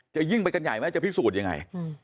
จะยิ่งไปกันใหญ่ไหมจะพิสูจน์ยังไง